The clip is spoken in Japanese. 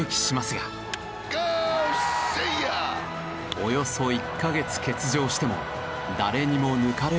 およそ１カ月欠場しても誰にも抜かれる事はなく。